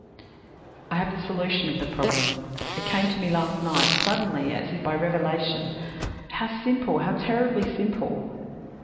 I have the solution of the problem; it came to me last night suddenly, as by revelation. How simple how terribly simple!